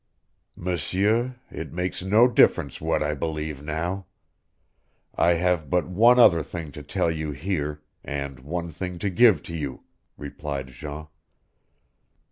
"M'seur, it makes no difference what I believe now. I have but one other thing to tell you here and one thing to give to you," replied Jean.